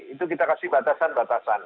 itu kita kasih batasan batasan